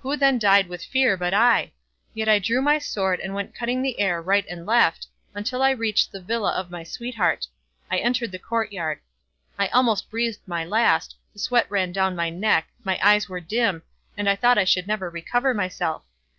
Who then died with fear but I? Yet I drew my sword, and went cutting the air right and left, till I reached the villa of my sweetheart. I entered the court yard. I almost breathed my last, the sweat ran down my neck, my eyes were dim, and I thought I should never recover myself.